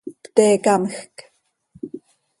¡Pte camjc!